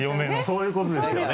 そういうことですよね。